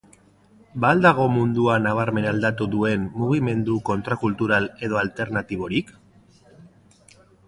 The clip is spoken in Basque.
Ba al dago mundua nabarmen aldatu duen mugimendu kontrakultural edo alternatiborik?